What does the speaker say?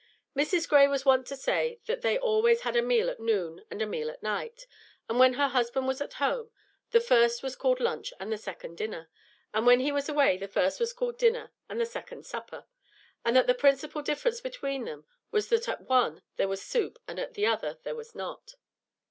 Mrs. Gray was wont to say that they always had a meal at noon and a meal at night; and when her husband was at home, the first was called lunch and the second dinner, and when he was away the first was called dinner and the second supper; and that the principal difference between them was that at one there was soup and at the other there was not.